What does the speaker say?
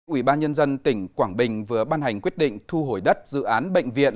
ủy ban nhân dân tỉnh quảng bình vừa ban hành quyết định thu hồi đất dự án bệnh viện